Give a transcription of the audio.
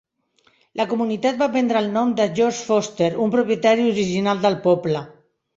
La comunitat va prendre el nom de George Foster, un propietari original del poble.